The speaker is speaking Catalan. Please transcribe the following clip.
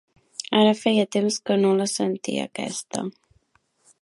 Ara feia temps que no la sentia, aquesta!